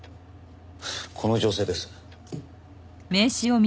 この女性です。